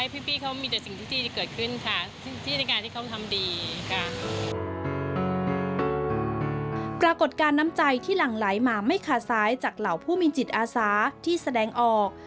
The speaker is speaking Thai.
ปรากฏการณ์น้ำใจที่หลั่งไหลมาไม่ขาดซ้ายจากเหล่าผู้มีจิตอาสาที่แสดงออก